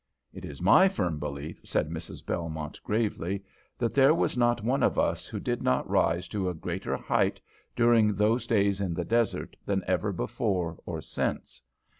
"It is my firm belief," said Mrs. Belmont, gravely, "that there was not one of us who did not rise to a greater height during those days in the desert than ever before or since.